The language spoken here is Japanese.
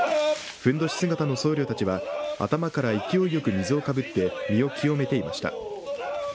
ふんどし姿の僧侶たちは頭から勢いよく水をかぶって身を清めていました。